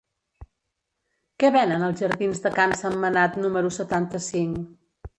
Què venen als jardins de Can Sentmenat número setanta-cinc?